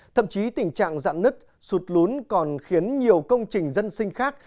thậm chí tình trạng dạn nứt sụt lún còn khiến nhiều công trình dân sinh khác